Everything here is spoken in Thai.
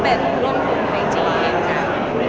เป็นร่วมภูมิในจีน